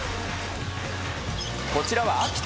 こちらは秋田。